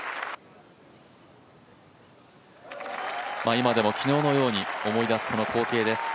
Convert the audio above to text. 今でも昨日のように思い出すこの光景です。